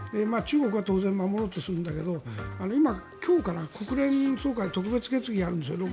中国は当然守ろうとするんだけど今、今日から国連総会の特別決議があるんです。